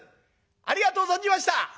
ありがとう存じました。